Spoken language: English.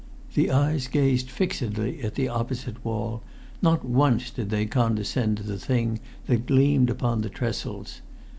The eyes gazed fixedly at the opposite wall; not once did they condescend to the thing that gleamed upon the trestles.